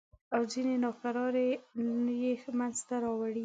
او ځینې ناکرارۍ یې منځته راوړې.